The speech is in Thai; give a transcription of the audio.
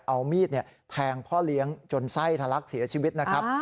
เอามีดแทงพ่อเลี้ยงจนไส้ทะลักเสียชีวิตนะครับ